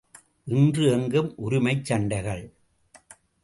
இன்று எங்கும் உரிமைச் சண்டைகள்!